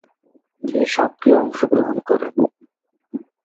তিনি সক্রিয় অংশগ্রহণ করেন।